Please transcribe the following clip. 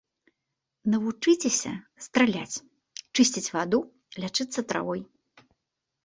Навучыцеся страляць, чысціць ваду, лячыцца травой.